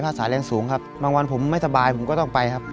ถ้าสายแรงสูงครับบางวันผมไม่สบายผมก็ต้องไปครับ